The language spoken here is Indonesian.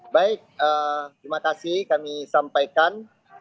baik terima kasih kami sampaikan